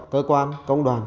cơ quan công đoàn